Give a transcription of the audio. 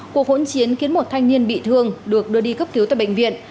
cuộc hỗn chiến khiến một thanh niên bị thương được đưa đi cấp cứu tại bệnh viện